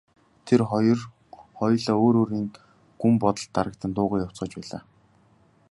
Тэр хоёр хоёулаа өөр өөрийн гүн бодолд дарагдан дуугүй явцгааж байлаа.